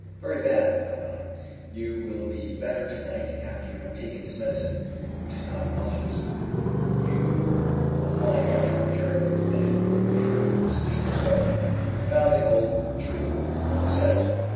"Very bad," replied I. "You will be better tonight, after you have taken this medicine, which is not nauseous. You will find your appetite return, and it will make you sleep as well." I found it all true what was said.